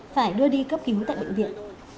phải đưa đi cấp cứu tại bệnh viện